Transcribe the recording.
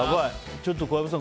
ちょっと小籔さん